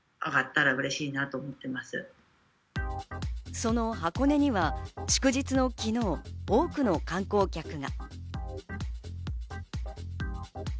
その箱根には、祝日の昨日、多くの観光客が。